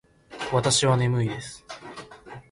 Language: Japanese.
わたしはねむいです。